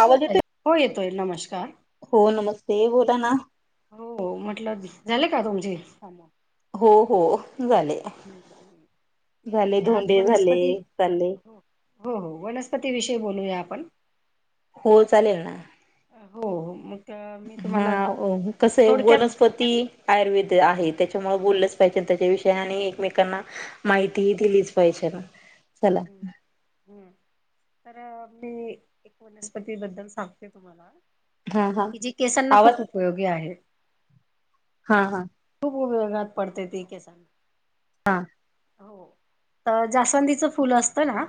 आवाज येतोय? हो येतोय नमस्कार. ते बोला ना हो म्हटलं झाले का तुमचे काम, हो हो झाले. झाले म आज धोंडे झाले वनस्पती चालले. हो, हो वनस्पती विषयी बोलूया आप पण हो चालेल ना. हो मग मी हा तुम्हाला कस आहे थोडक्यात वनस्पती आयुर्वेद हम्म आहे त्याच्यामुळे बोल त्याच्याविषयी आणि एकमेकांना माहिती दिलीच पाहिजे ना चला हम् तर मी एक वनस्पती बद्दल सांगते तुम्हाला हा हा की जे केसांना खूप आवाज उपयोगी आहे हा हा खूप उपयोगात पडते ती केसांना हा हो तर जास्वंदीच फुल असतं ना?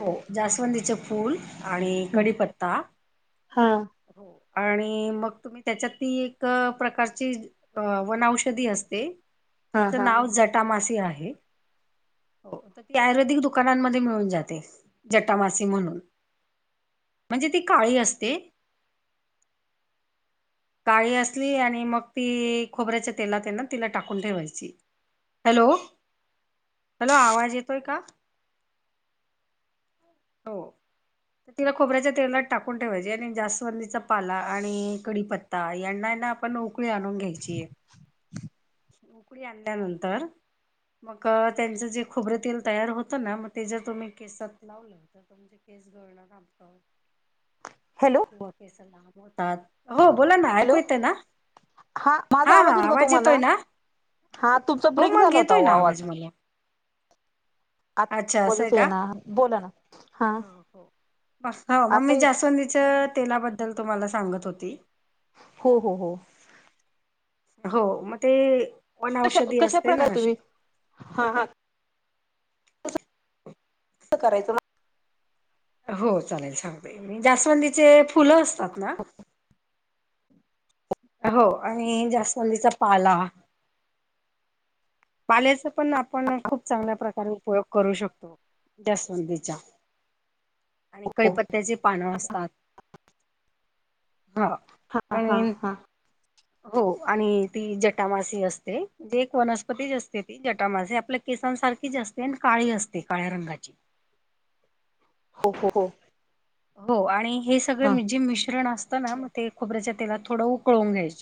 हो जास्वंदीचे फूल आणि कडीीपत्ता हा हो आणि मग तुम्ही त्याच्यात ती एक प्रकारची वनऔषधी असते हा तिचं हा नाव जटा मासी आहे हो तर ती आयुर्वेदिक दुकानांमध्ये मिळून जाते जटामासी म्हणून म्हणजे ती काळी असते. काळी असली आणि मग ती खोबऱ्याच्या तेलात ना तिला टाकून ठेवायची. हॅलो हॅलो आवाज येतोय का हो तर तिला खोबऱ्याच्या तेलात टाकून ठेवायचीे आणि जास्वंदीचा पाला आणि कडीपत्ता यांना त्यां आपण उकळी आणून घ्यायचीय उकळी आणल्यानंतर मग त्यांचं जे खोबरं तेल तयार होतं ना मग ते जर तुम्ही केसात लावलं तर हॅलो किंवा के हो बोला ना हॅलो ऐकू येत ना माझा हा हा येतो का आवाज येत तुम्हाला? हा तुमचा हो ब्रेक मग झाला होता घेतोय ओ ना आवाज मला आता अच्छा असंय आवाजच का? येईना बोला ना. हा हो हो मग आता मी जासवंदीच तेलाबद्दल तुम्हाला सांगत होती हो हो हो हो मग ते कशा वनऔषधी कशा असते ना प्रकारे तुम्ही हा हा क करायचो ना हो चालेल सांगतो मी जास्वंदीचे फुलं असतात ना हो आणि जास्वलीचा पाला पाल्याचा पण आपण खूप चांगल्या प्रकारे उपयोग करू शकतो जास्वंदीच्या आणि कधीपत्याची पानं असतात हा हा हा आणि हा हो आणि ती जटामासी असते म्हे एक वनस्पतीच असते ती जटामासी आपल्या केसांसारखी जा असते आणि काळी असते काळ्या रंगाची हो हो हो हो आणि हे हा सगळं जे मिश्रण असतं ना मग ते खोबऱ्याच्या तेलात थोडं उकळून घ्यायचं